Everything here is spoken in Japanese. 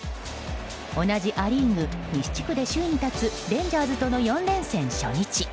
同じア・リーグ西地区で首位に立つレンジャーズとの４連戦初日。